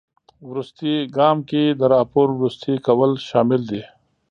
وروستي ګام کې د راپور وروستي کول شامل دي.